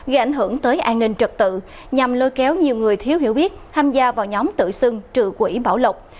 gây ảnh hưởng tới an ninh trật tự nhằm lôi kéo nhiều người thiếu hiểu biết tham gia vào nhóm tự xưng trừ quỹ bảo lộc